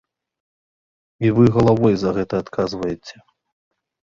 І вы галавой за гэта адказваеце.